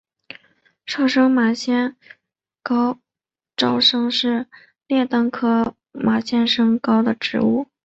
沼生马先蒿沼生是列当科马先蒿属的植物。